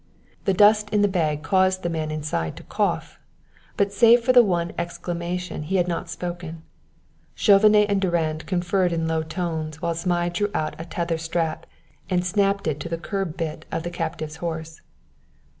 The dust in the bag caused the man inside to cough, but save for the one exclamation he had not spoken. Chauvenet and Durand conferred in low tones while Zmai drew out a tether strap and snapped it to the curb bit of the captive's horse.